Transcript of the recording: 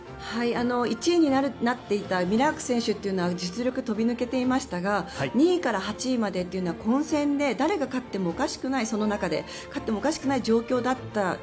１位になっていたミラーク選手というのは実力飛び抜けていましたが２位から８位までは混戦で、誰が勝ってもおかしくないその中でそういう状況だった。